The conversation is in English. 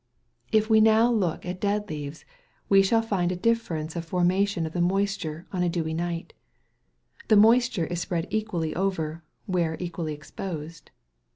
If now we look at dead leaves we shall find a difference of formation of the moisture on a dewy night: the moisture is spread equally over, where equally exposed.